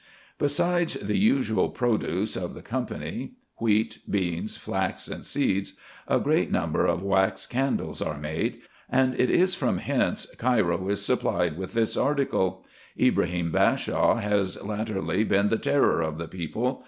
Besides the usual produce of the country, wheat, beans, flax, and seeds, a great number of wax candles are made ; and it is from hence Cairo is supplied with this article. Ibrahim Bashaw has latterly been the terror of the people.